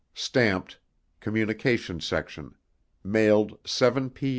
[Stamped: COMMUNICATIONS SECTION MAILED 7 P.